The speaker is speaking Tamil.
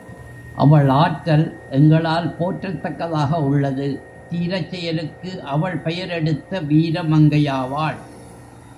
அவள் ஆற்றல் எங்களால் போற்றத் தக்கதாக உள்ளது தீரச் செயலுக்கு அவள் பெயர் எடுத்த வீர மங்கையாவாள்.